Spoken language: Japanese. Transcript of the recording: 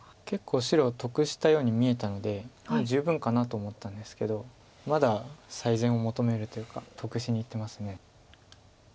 結構白得したように見えたのでもう十分かなと思ったんですけどまだ最善を求めるというか得しにいってます。